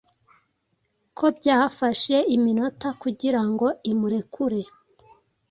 ko byafashe iminota kugira ngo imurekure